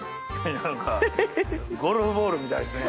何かゴルフボールみたいですね